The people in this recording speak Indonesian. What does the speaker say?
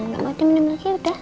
gak mau dia minum lagi udah